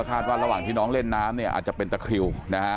คาดว่าระหว่างน้องเล่นน้ำอาจจะเป็นตะคริ่ว